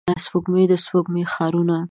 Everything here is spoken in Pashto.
د سپوږمۍ، سپوږمۍ ښارونو